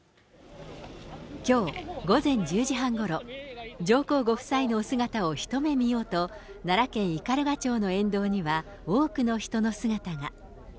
きょう午前１０時半ごろ、上皇ご夫妻のお姿を一目見ようと、奈良県斑鳩町の沿道には多くの人の姿が。